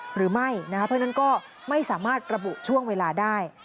หรือไม่นะคะเพราะฉะนั้นก็ไม่สามารถระบุช่วงเวลาได้